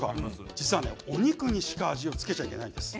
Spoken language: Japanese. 実はお肉にしか味を付けちゃいけないんです。